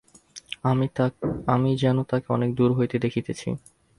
আমি যেন তাকে অনেক দুর হইতে দেখিতেছি।